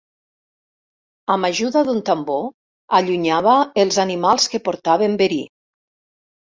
Amb ajuda d'un tambor, allunyava els animals que portaven verí.